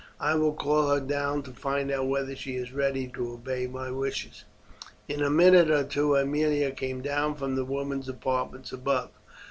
I will call her down to find out whether she is ready to obey my wishes." In a minute or two Aemilia came down from the women's apartments above.